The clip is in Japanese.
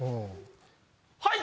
はい！